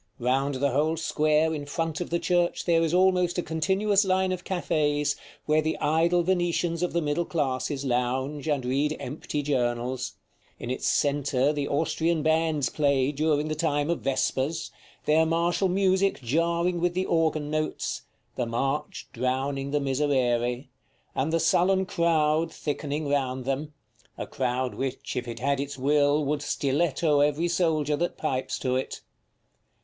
Round the whole square in front of the church there is almost a continuous line of cafés, where the idle Venetians of the middle classes lounge, and read empty journals; in its centre the Austrian bands play during the time of vespers, their martial music jarring with the organ notes, the march drowning the miserere, and the sullen crowd thickening round them, a crowd, which, if it had its will, would stiletto every soldier that pipes to it.